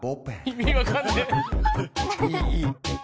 意味分かんねえ！